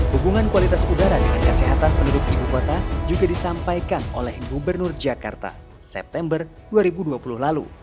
hubungan kualitas udara dengan kesehatan penduduk ibu kota juga disampaikan oleh gubernur jakarta september dua ribu dua puluh lalu